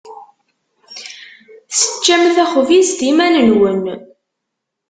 Teččam taxbizt iman-nwen.